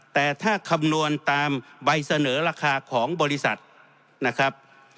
แต่ถ้าคำนวณตามใบเสนอราคาของบริษัทนะครับ